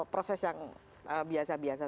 proses yang biasa biasa